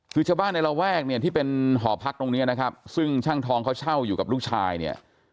คือชาวบ้านในระแวกเนี่ยที่เป็นหอพักตรงเนี้ยนะครับซึ่งช่างทองเขาเช่าอยู่กับลูกชายเนี่ย